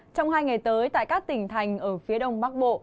trong hai ngày tới tại các tỉnh thành ở phía đông bắc bộ